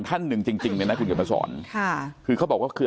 ดังท่านหนึ่งจริงจริงในราคาทุ่งระเบิดพัศวรค่ะคือเขาบอกว่าก็คือ